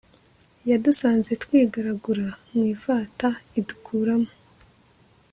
yadusanze twigaragura mu ivata idukuramo